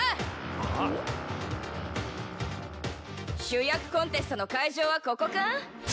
主役コンテストの会場はここか？